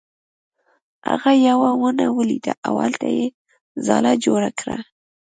هغه یوه ونه ولیده او هلته یې ځاله جوړه کړه.